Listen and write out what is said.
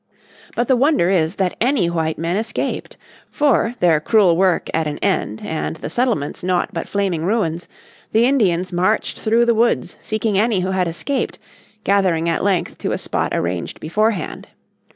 But the wonder is that any white men escaped. For their cruel work at an end, and the settlements nought but flaming ruins, the Indians marched through the woods seeking any who had escaped, gathering at length to a spot arranged beforehand.